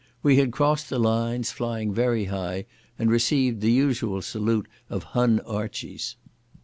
We had crossed the lines, flying very high, and received the usual salute of Hun Archies.